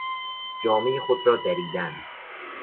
جامهی خود را دریدن